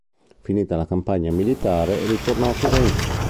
Finita la campagna militare ritornò a Firenze.